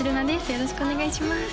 よろしくお願いします